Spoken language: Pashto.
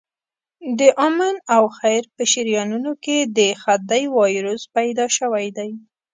د آمن او خیر په شریانونو کې د خدۍ وایروس پیدا شوی دی.